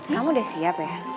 kamu udah siap ya